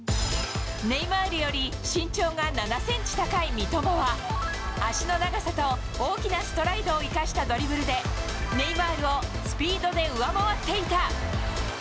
ネイマールより身長が７センチ高い三笘は、足の長さと大きなストライドを生かしたドリブルで、ネイマールをスピードで上回っていた。